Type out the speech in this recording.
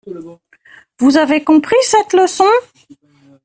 Vous avez compris cette leçon ?